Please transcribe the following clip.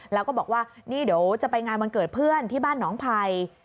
แล้วก็บอกว่านี่เดี๋ยวจะไปงานวันเกิดเพื่อนที่บ้านหนองภัย